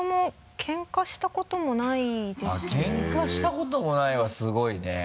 ケンカしたこともないはすごいね。